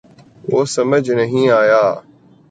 وہ سمجھ نہیں آیا